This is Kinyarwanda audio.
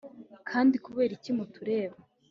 kandi kubera iki mutureba